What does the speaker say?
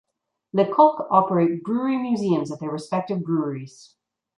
Le Coq operate brewery museums at their respective breweries.